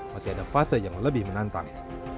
masih ada fase yang lebih menantang